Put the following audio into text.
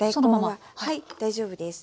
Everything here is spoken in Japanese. はい大丈夫です。